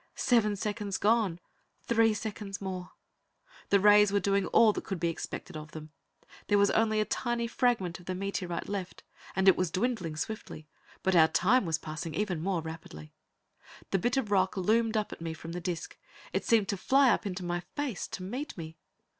Seven seconds gone! Three seconds more. The rays were doing all that could be expected of them. There was only a tiny fragment of the meteorite left, and it was dwindling swiftly. But our time was passing even more rapidly. The bit of rock loomed up at me from the disc. It seemed to fly up into my face, to meet me.